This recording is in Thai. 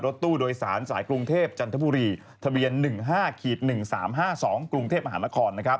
ตู้โดยสารสายกรุงเทพจันทบุรีทะเบียน๑๕๑๓๕๒กรุงเทพมหานคร